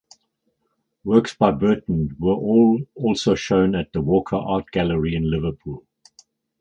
Works by Burton were also shown at the Walker Art Gallery in Liverpool.